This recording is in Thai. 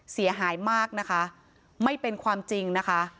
เสียหายมากนะคะไม่เป็นความจริงนะคะ